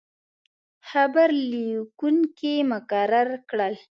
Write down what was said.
خبر لیکونکي مقرر کړل.